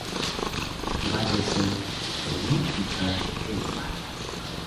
Bale so thmuku ka phepah